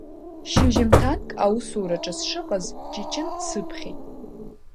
Шьжьымҭанк аусураҿы сшыҟаз, Ҷыҷын дсыԥхьеит.